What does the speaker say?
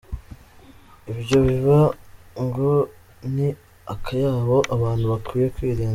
Ibyo biba ngo ni akayabo, abantu bakwiye kwirinda.